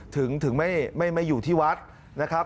ถึงไม่อยู่ที่วัดนะครับ